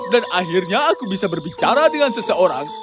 dan akhirnya aku bisa berbicara dengan seseorang